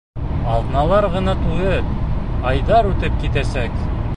Аҙналар ғына түгел, айҙар үтеп китәсәк.